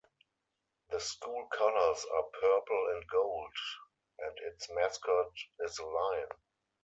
The school colors are purple and gold, and its mascot is the lion.